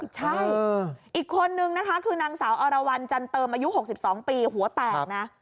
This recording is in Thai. ใช่อีกคนนึงนะคะคือนางสาวอรวรรณจันเติมอายุ๖๒ปีหัวแตกนะ